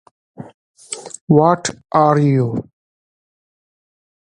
This evacuation was one of the German Navy's most significant activities during the war.